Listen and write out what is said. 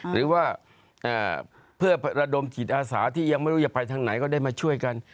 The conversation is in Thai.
หรือว่าเพื่อระดมจิตอาสาที่ยังไม่รู้จะไปทางไหนก็ได้มาช่วยกัน